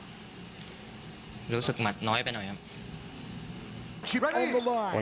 รู้สึกหมัดน้อยไปหน่อยครับ